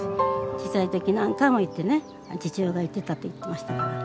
小さい時何回も言ってね父親が言ってたって言ってましたから。